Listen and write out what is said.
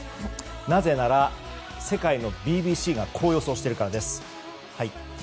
なぜなら世界のＢＢＣがこう予想しているからです。